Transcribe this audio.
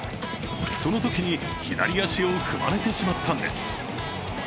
そのときに左足を踏まれてしまったんです。